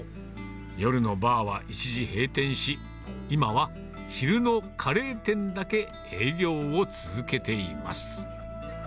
夜のバーは一時閉店し、今は昼のカレー店だけ営業を続けています。